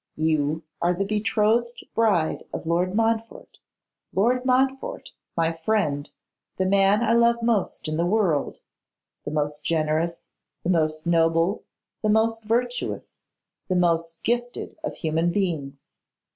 You are the betrothed bride of Lord Montfort; Lord Montfort, my friend, the man I love most in the world; the most generous, the most noble, the most virtuous, the most gifted of human beings.